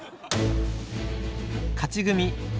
勝ち組。